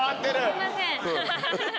すいません。